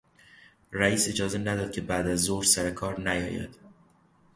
رئیس اجازه نداد که بعد از ظهر سرکار نیاید.